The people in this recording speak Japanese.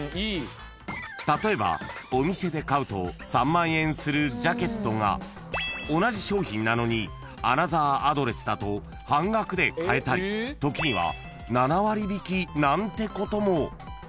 ［例えばお店で買うと３万円するジャケットが同じ商品なのにアナザーアドレスだと半額で買えたり時には７割引きなんてことも］